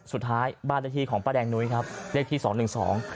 สุดท้ายบ้านเลขที่ของป้าแดงนุ้ยครับเลขที่สองหนึ่งสอง